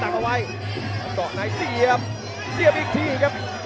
ตักเอาไว้ต่อในเสียบเสียบอีกทีครับ